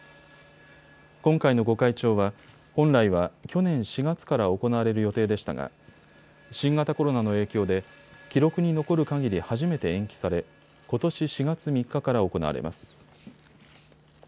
今回の御開帳は本来は去年４月から行われる予定でしたが新型コロナの影響で記録に残るかぎり初めて延期されことし４月３日から行われます。